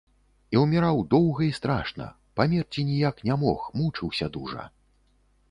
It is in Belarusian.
І ўміраў доўга і страшна, памерці ніяк не мог, мучыўся дужа.